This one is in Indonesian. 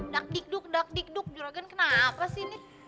dakdikduk dakdikduk juragan kenapa sih ini